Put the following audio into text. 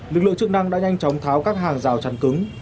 lực lượng chức năng đã nhanh chóng tháo các hàng rào chắn cứng